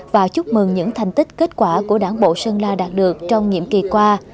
và chúc mừng những thành tích kết quả của đảng bộ sơn la đạt được trong nhiệm kỳ qua